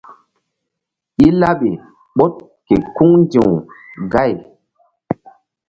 I laɓi ɓoɗ ke kuŋ ndi̧w gay.